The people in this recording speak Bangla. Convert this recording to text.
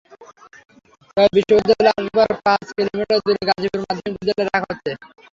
তবে বিদ্যালয়ের আসবাব পাঁচ কিলোমিটার দূরে গাজীপুর মাধ্যমিক বিদ্যালয়ে রাখা হচ্ছে।